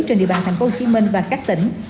trên địa bàn tp hcm và các tỉnh